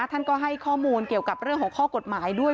ท่านก็ให้ข้อมูลเกี่ยวกับเรื่องของข้อกฎหมายด้วย